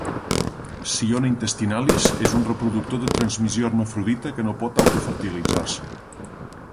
"Ciona intestinalis" és un reproductor de transmissio hermafrodita que no pot autofertilitzar-se.